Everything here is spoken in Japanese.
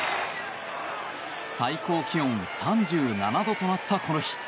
最高気温３７度となったこの日。